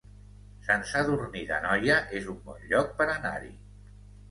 Sant Sadurní d'Anoia es un bon lloc per anar-hi